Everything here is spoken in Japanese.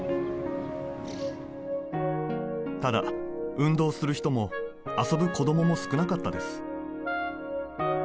ただ運動する人も遊ぶ子どもも少なかったです